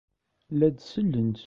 La d-sellent.